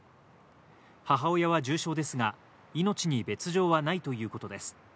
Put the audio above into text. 母親は重傷ですが、命に別条はないということです。